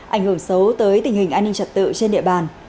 ảnh hưởng xấu tới tình hình an ninh trật tự trên địa bàn